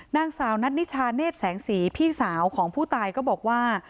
นางสาวนัทนิชาเนธแสงสีพี่สาวของผู้ตายก็บอกว่า